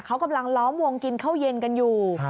เขากำลังล้อมวงกินข้าวเย็นกันอยู่